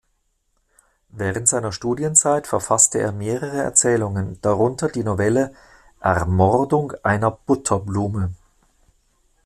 Während seiner Studienzeit verfasste er mehrere Erzählungen, darunter die Novelle "Ermordung einer Butterblume".